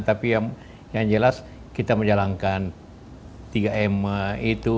tapi yang jelas kita menjalankan tiga ema itu